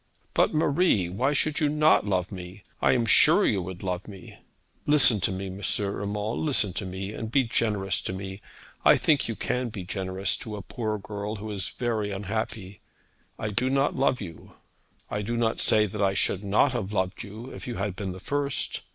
'But, Marie, why should you not love me? I am sure you would love me.' 'Listen to me, M. Urmand; listen to me, and be generous to me. I think you can be generous to a poor girl who is very unhappy. I do not love you. I do not say that I should not have loved you, if you had been the first.